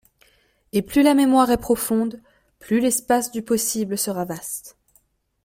Et plus la mémoire est profonde, plus l’espace du possible sera vaste.